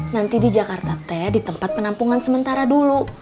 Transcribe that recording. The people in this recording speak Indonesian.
nanti di jakarta teh di tempat penampungan sementara dulu